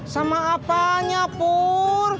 sama apanya pur